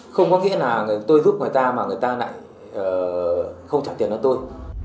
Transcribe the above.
không có nghĩa là tôi giúp người ta mà người ta lại không trả tiền cho tôi